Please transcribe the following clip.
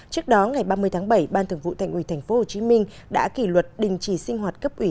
trước đó ngày ba mươi tháng bảy ban thượng vụ thành ủy tp hcm đã kỷ luật đình chỉ sinh hoạt cấp ủy